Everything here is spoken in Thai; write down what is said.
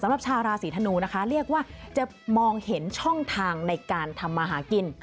สำหรับชาวราศีธนูนะคะเรียกว่าจะมองเห็นช่องทางในการทำมาหากิน